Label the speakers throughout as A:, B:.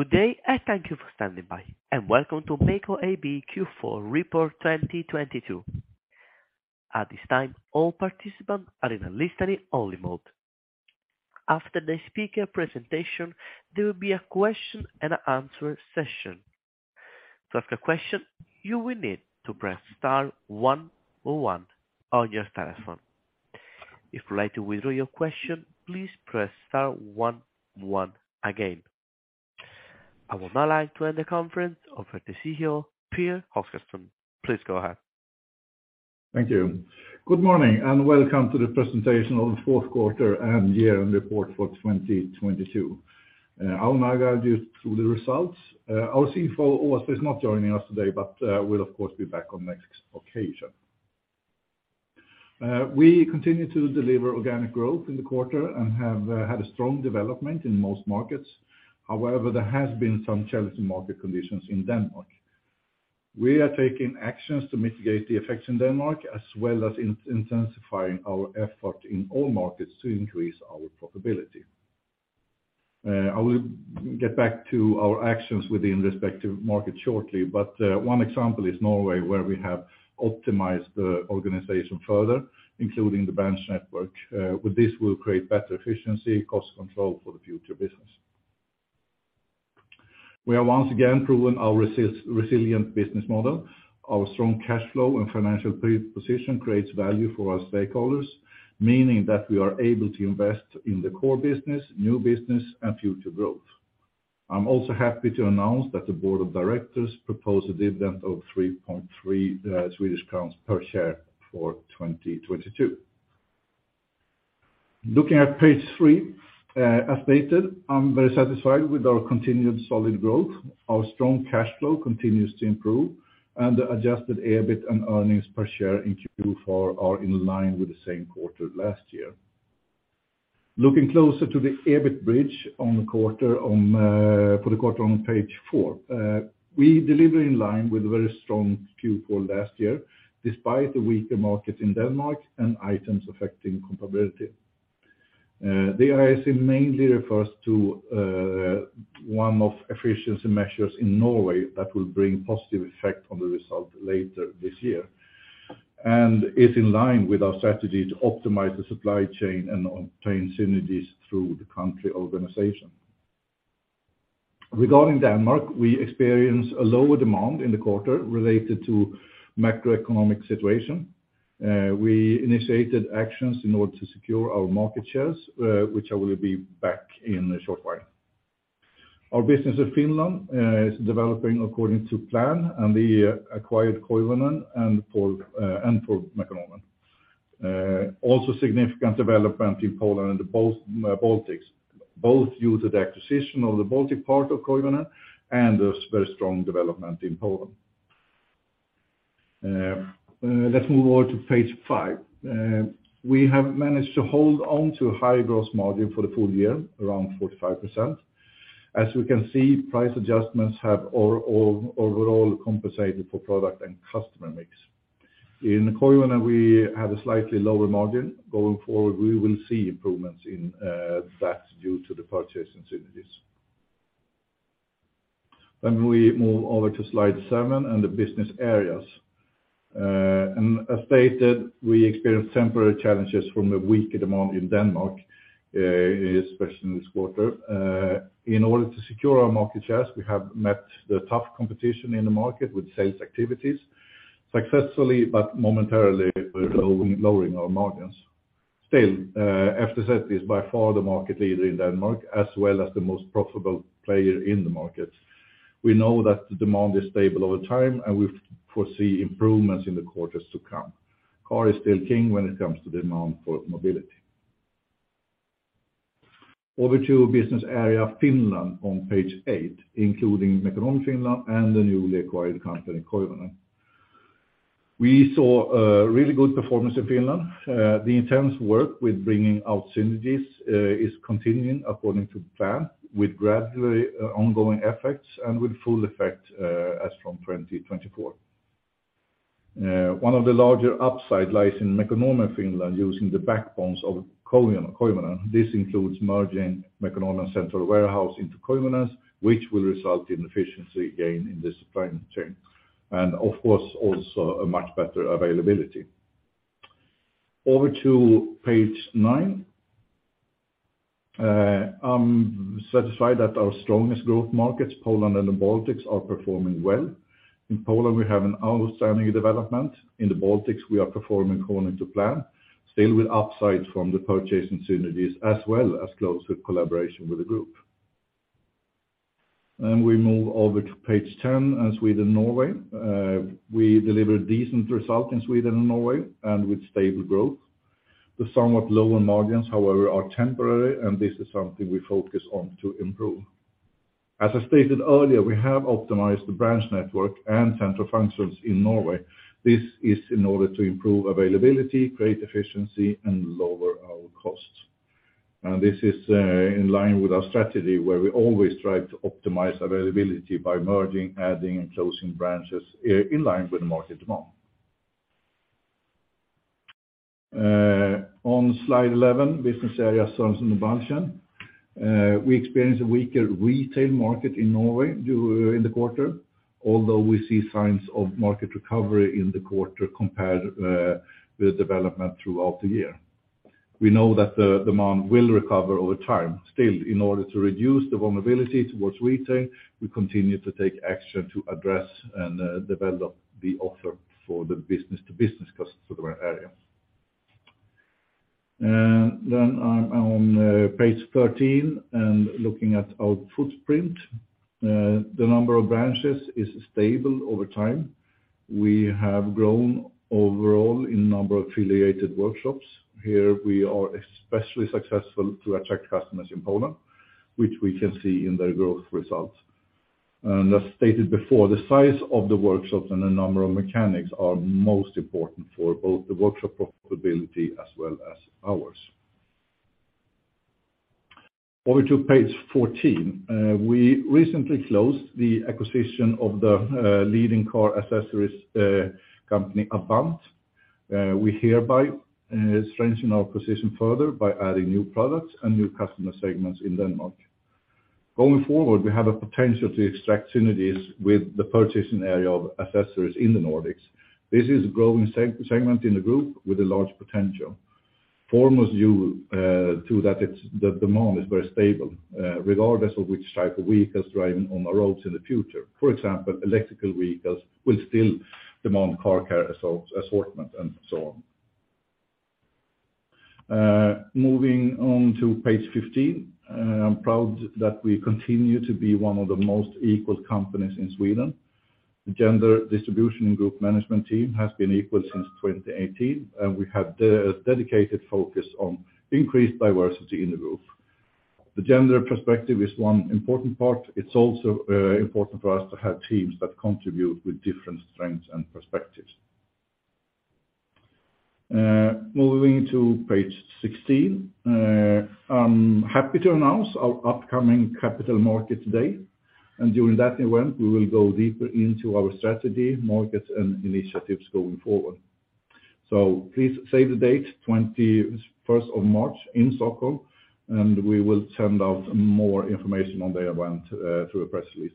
A: Good day. Thank you for standing by, and welcome to MEKO AB Q4 Report 2022. At this time, all participants are in a listen only mode. After the speaker presentation, there will be a question and answer session. To ask a question, you will need to press star one one on your telephone. If you'd like to withdraw your question, please press star one one again. I would now like to end the conference over to CEO, Pehr Oscarson. Please go ahead.
B: Thank you. Good morning, and welcome to the presentation of the Q4 and year-end report for 2022. I'll now guide you through the results. Our CFO, Ola, is not joining us today, but will of course be back on next occasion. We continue to deliver organic growth in the quarter and have had a strong development in most markets. However, there has been some challenging market conditions in Denmark. We are taking actions to mitigate the effects in Denmark, as well as intensifying our effort in all markets to increase our profitability. I will get back to our actions within respective markets shortly, but one example is Norway, where we have optimized the organization further, including the branch network. With this will create better efficiency, cost control for the future business. We have once again proven our resilient business model. Our strong cash flow and financial position creates value for our stakeholders, meaning that we are able to invest in the core business, new business, and future growth. I'm also happy to announce that the board of directors propose a dividend of 3.3 Swedish crowns per share for 2022. Looking at page three, as stated, I'm very satisfied with our continued solid growth. Our strong cash flow continues to improve, and the adjusted EBIT and earnings per share in Q4 are in line with the same quarter last year. Looking closer to the EBIT bridge for the quarter on page four. We deliver in line with very strong Q4 last year, despite the weaker market in Denmark and items affecting comparability. The RIS mainly refers to one of efficiency measures in Norway that will bring positive effect on the result later this year, and is in line with our strategy to optimize the supply chain and obtain synergies through the country organization. Regarding Denmark, we experience a lower demand in the quarter related to macroeconomic situation. We initiated actions in order to secure our market shares, which I will be back in a short while. Our business in Finland is developing according to plan and the acquired Koivunen and Mekonomen Poland. Also significant development in Poland and the Pol-Baltics, both due to the acquisition of the Baltic part of Koivunen and a very strong development in Poland. Let's move on to page five. We have managed to hold on to a high gross margin for the full year, around 45%. As we can see, price adjustments have overall compensated for product and customer mix. In Koivunen, we had a slightly lower margin. Going forward, we will see improvements in that due to the purchase synergies. We move over to slide seven and the business areas. As stated, we experienced temporary challenges from a weaker demand in Denmark, especially in this quarter. In order to secure our market shares, we have met the tough competition in the market with sales activities successfully, but momentarily, we're lowering our margins. FTZ is by far the market leader in Denmark, as well as the most profitable player in the market. We know that the demand is stable over time. We foresee improvements in the quarters to come. Car is still king when it comes to demand for mobility. Over to business area Finland on page eight, including Mekonomen Finland and the newly acquired company Koivunen. We saw a really good performance in Finland. The intense work with bringing out synergies is continuing according to plan, with gradually ongoing effects and with full effect as from 2024. One of the larger upside lies in Mekonomen Finland using the backbones of Koivunen. This includes merging Mekonomen central warehouse into Koivunen's, which will result in efficiency gain in the supply chain, and of course, also a much better availability. Over to page nine. I'm satisfied that our strongest growth markets, Poland and the Baltics, are performing well. In Poland, we have an outstanding development. In the Baltics, we are performing according to plan, still with upsides from the purchase synergies, as well as closer collaboration with the group. We move over to page 10 and Sweden, Norway. We delivered decent result in Sweden and Norway and with stable growth. The somewhat lower margins, however, are temporary, and this is something we focus on to improve. As I stated earlier, we have optimized the branch network and central functions in Norway. This is in order to improve availability, create efficiency, and lower our costs. This is in line with our strategy, where we always try to optimize availability by merging, adding, and closing branches in line with the market demand. On slide 11, business area service and maintenance. We experienced a weaker retail market in Norway during in the quarter, although we see signs of market recovery in the quarter compared with development throughout the year. We know that the demand will recover over time. Still, in order to reduce the vulnerability towards retail, we continue to take action to address and develop the offer for the business-to-business customer area. Then on page 13 and looking at our footprint, the number of branches is stable over time. We have grown overall in number of affiliated workshops. Here we are especially successful to attract customers in Poland, which we can see in their growth results. As stated before, the size of the workshops and the number of mechanics are most important for both the workshop profitability as well as ours. Over to page 14. We recently closed the acquisition of the leading car accessories company Avant. We hereby strengthen our position further by adding new products and new customer segments in Denmark. Going forward, we have a potential to extract synergies with the purchasing area of accessories in the Nordics. This is a growing segment in the group with a large potential. From our view, to that it's the demand is very stable, regardless of which type of vehicles driving on the roads in the future. For example, electrical vehicles will still demand car care assortment and so on. Moving on to page 15. I'm proud that we continue to be one of the most equal companies in Sweden. The gender distribution in group management team has been equal since 2018, and we have dedicated focus on increased diversity in the group. The gender perspective is one important part. It's also important for us to have teams that contribute with different strengths and perspectives. Moving to page 16. I'm happy to announce our upcoming capital market today, and during that event, we will go deeper into our strategy, markets and initiatives going forward. Please save the date, March 21st in Stockholm, and we will send out more information on the event through a press release.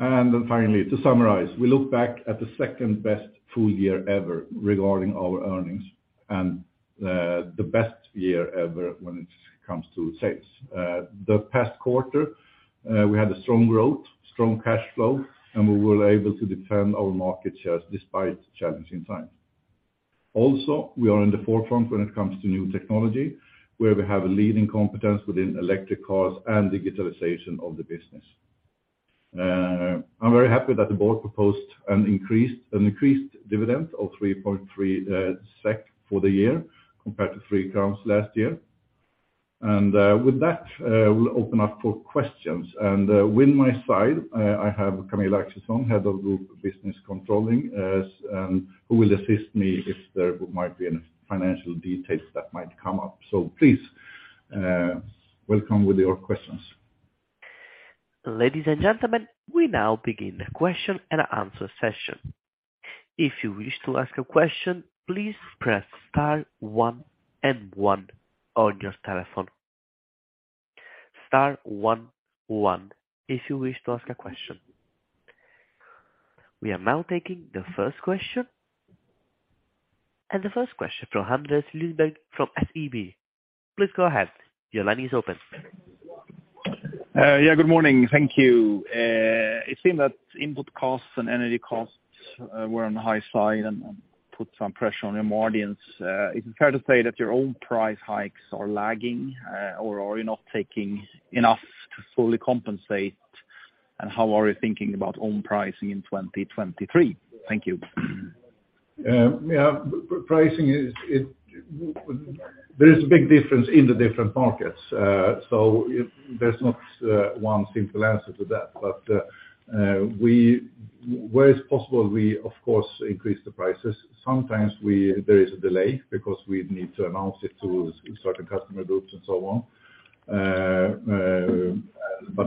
B: To summarize, we look back at the second best full year ever regarding our earnings and the best year ever when it comes to sales. The past quarter, we had a strong growth, strong cash flow, and we were able to defend our market shares despite challenging times. Also, we are in the forefront when it comes to new technology, where we have a leading competence within electric cars and digitalization of the business. I'm very happy that the board proposed an increased dividend of 3.3 SEK for the year compared to 3 crowns last year. With that, we'll open up for questions. With my side, I have Camilla Axelsson, Head of Group Business Controlling, who will assist me if there might be any financial details that might come up. Please, welcome with your questions.
A: Ladies and gentlemen, we now begin the question and answer session. If you wish to ask a question, please press star one and one on your telephone. Star one one if you wish to ask a question. We are now taking the first question. The first question from Andreas Lundberg from SEB. Please go ahead. Your line is open.
C: Yeah, good morning. Thank you. It seemed that input costs and energy costs were on the high side and put some pressure on your margins. Is it fair to say that your own price hikes are lagging, or are you not taking enough to fully compensate? How are you thinking about own pricing in 2023? Thank you.
B: Yeah, pricing is There is a big difference in the different markets. There's not one simple answer to that. Where it's possible we of course, increase the prices. Sometimes there is a delay because we need to announce it to certain customer groups and so on.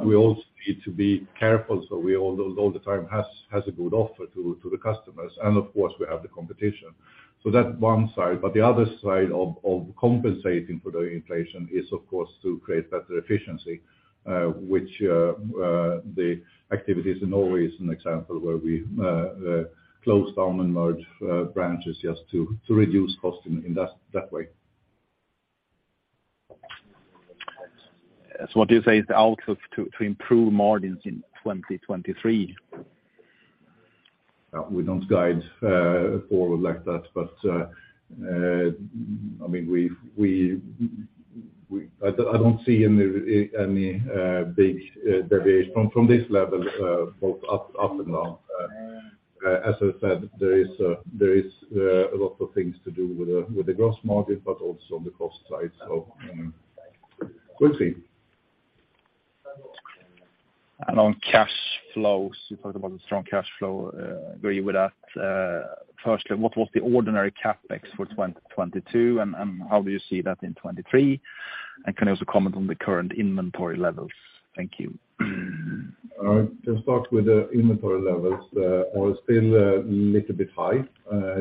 B: We also need to be careful, so we all the time has a good offer to the customers, and of course we have the competition. That's one side, but the other side of compensating for the inflation is of course to create better efficiency, which, the activities in Norway is an example where we, close down and merge, branches just to reduce costs in that way.
C: What do you say is the outlook to improve margins in 2023?
B: We don't guide, forward like that, but, I mean, I don't see any big deviation from this level, both up and down. As I said, there is a lot of things to do with the gross margin, but also on the cost side. We'll see.
C: On cash flows, you talked about the strong cash flow. Agree with that. Firstly, what was the ordinary CapEx for 2022 and how do you see that in 2023? Can I also comment on the current inventory levels? Thank you.
B: To start with the inventory levels are still a little bit high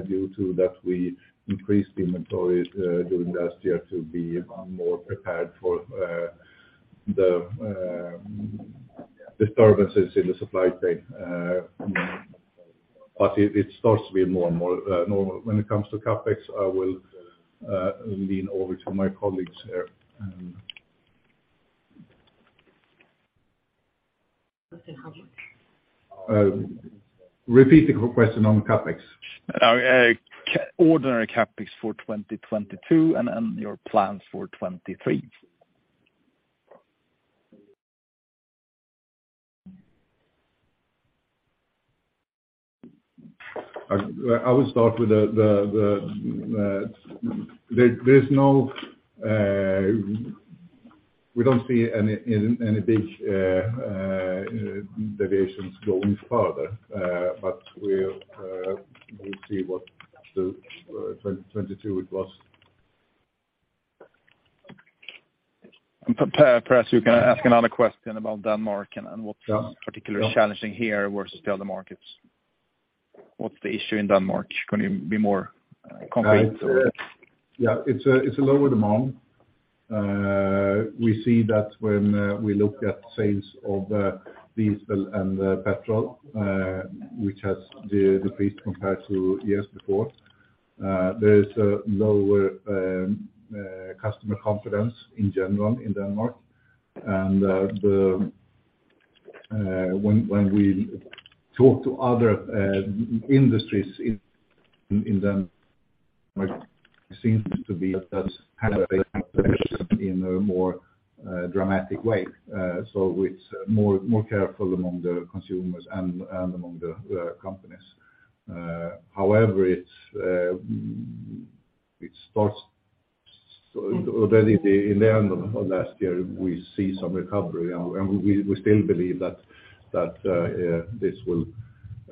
B: due to that we increased the inventories during last year to be more prepared for the disturbances in the supply chain. It starts to be more and more normal. When it comes to CapEx, I will lean over to my colleagues here. Repeat the question on CapEx.
C: ordinary CapEx for 2022 and then your plans for 2023.
B: We don't see any big deviations going further, but we'll see what 2022 it was.
C: Per, perhaps you can ask another question about Denmark and.
B: Yeah.
C: particularly challenging here versus the other markets. What's the issue in Denmark? Can you be more complete?
B: It's a lower demand. We see that when we look at sales of diesel and petrol, which has decreased compared to years before. There is a lower customer confidence in general in Denmark and the when we talk to other industries in Denmark, it seems to be that's had a big question in a more dramatic way. It's more careful among the consumers and among the companies. It starts already in the end of last year, we see some recovery and we still believe that this will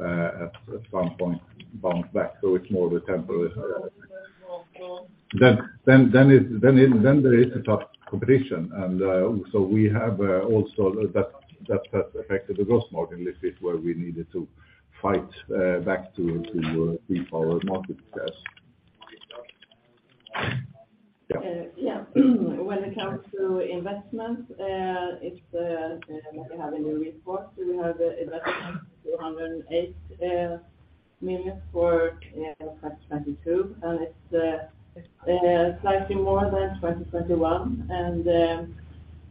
B: at some point bounce back, it's more of a temporary. There is a tough competition and, so we have, also that has affected the growth market a little bit where we needed to fight, back to keep our market success. Yeah.
D: Yeah. When it comes to investments, it's we have a new report, we have investments SEK 208 million for, yeah, 2022, and it's slightly more than 2021.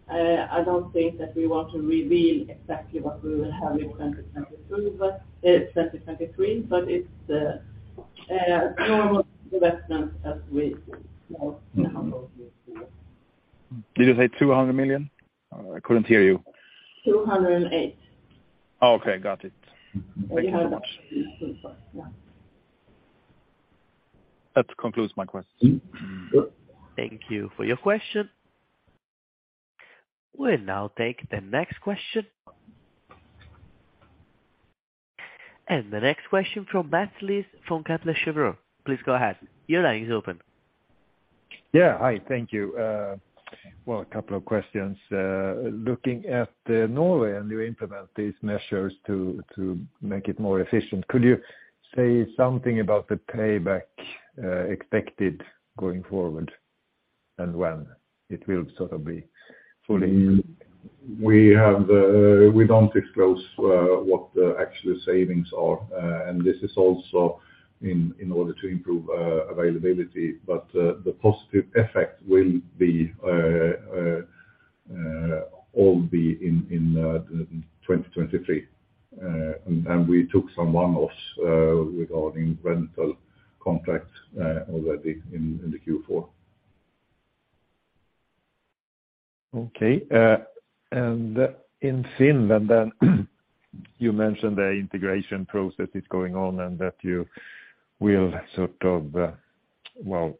D: I don't think that we want to reveal exactly what we will have in 2022 but 2023, but it's normal investments as we see more than how it was before.
C: Did you say 200 million? I couldn't hear you.
D: 208 million.
C: Oh, okay. Got it. Thank you very much. That concludes my question.
B: Good.
A: Thank you for your question. We'll now take the next question. The next question from Mats Liss from Kepler Cheuvreux. Please go ahead. Your line is open.
E: Yeah. Hi, thank you. Well, a couple of questions. Looking at Norway, and you implement these measures to make it more efficient, could you say something about the payback expected going forward and when it will sort of be fully?
B: We have, we don't disclose what the actual savings are, and this is also in order to improve availability. The positive effect will be all be in 2023. We took some one-offs regarding rental contracts already in the Q4.
E: Okay. In Finland then you mentioned the integration process is going on and that you will sort of, well,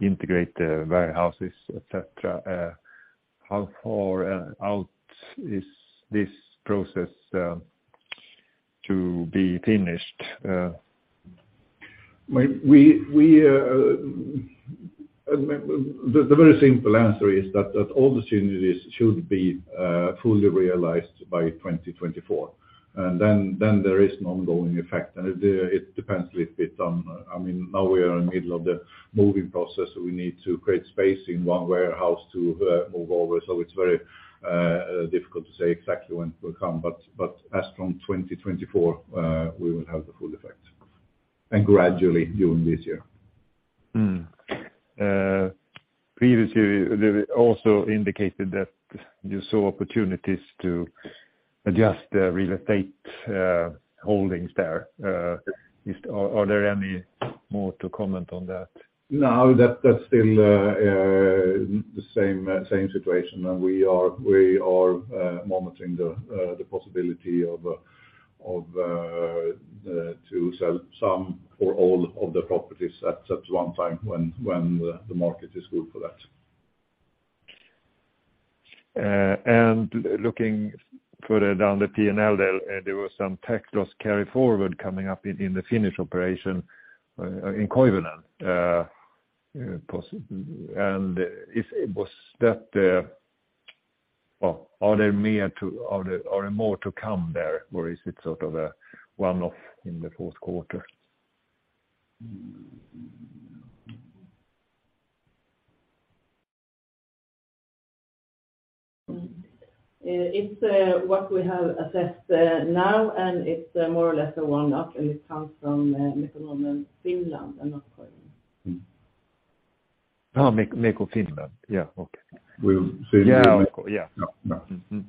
E: integrate the warehouses, et cetera. How far out is this process to be finished?
B: We. The very simple answer is that all the synergies should be fully realized by 2024, and then there is an ongoing effect. It depends a little bit on. I mean, now we are in the middle of the moving process, so we need to create space in one warehouse to move over. It's very difficult to say exactly when it will come, but as from 2024, we will have the full effect, and gradually during this year.
E: Previously you also indicated that you saw opportunities to adjust the real estate holdings there. Are there any more to comment on that?
B: No, that's still the same situation. We are monitoring the possibility of to sell some or all of the properties at one time when the market is good for that.
E: Looking further down the PNL there was some tax loss carryforward coming up in the Finnish operation, in Koivunen. And if it was that, are there more to come there or is it sort of a one-off in the Q4?
D: It's what we have assessed now, and it's more or less a one-off, and it comes from Mekonomen Finland and not Koivunen.
E: MEKO Finland. Yeah. Okay.
B: We'll see.
E: Yeah. Yeah.
B: Yeah.
E: Mm-hmm.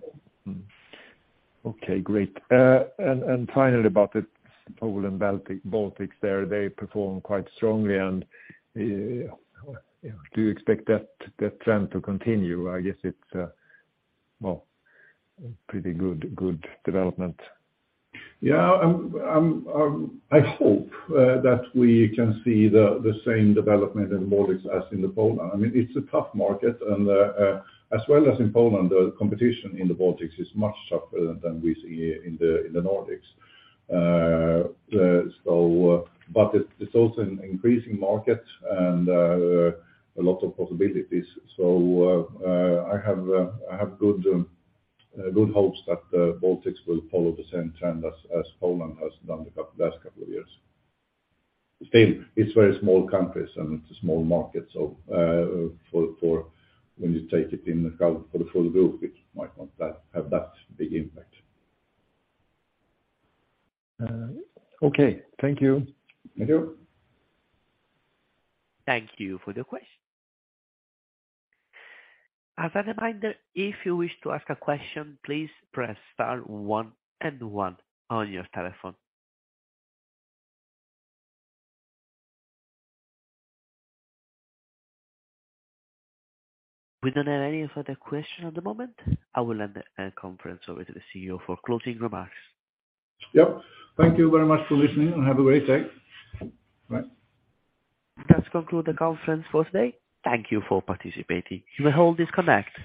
E: Mm. Okay, great. Finally about the Poland, Baltic, Baltics there, they perform quite strongly and, do you expect that trend to continue? I guess it's, well, pretty good development.
B: We can see the same development in the Baltics as in Poland. I mean, it's a tough market as well as in Poland, the competition in the Baltics is much tougher than we see in the Nordics. It's also an increasing market and a lot of possibilities. I have good hopes that Baltics will follow the same trend as Poland has done the last couple of years. Still, it's very small countries and it's a small market. For when you take it in account for the full group, it might not have that big impact.
E: Okay. Thank you.
B: Thank you.
A: Thank you for the question. As a reminder, if you wish to ask a question, please press star one and one on your telephone. We don't have any further question at the moment. I will hand the conference over to the CEO for closing remarks.
B: Yep. Thank you very much for listening and have a great day. Bye.
A: That's conclude the conference for today. Thank you for participating. You may all disconnect.